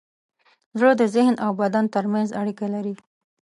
زړه د ذهن او بدن ترمنځ اړیکه لري.